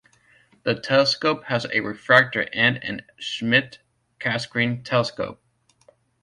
The telescope has a refractor and an Schmidt-Cassegrain telescope.